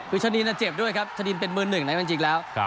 วิชานีน่าเจ็บด้วยครับวิชานีนเป็นมือหนึ่งนะจริงแล้ว